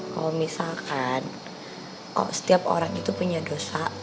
kalau misalkan setiap orang itu punya dosa